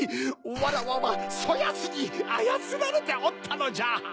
わらわはそやつにあやつられておったのじゃ！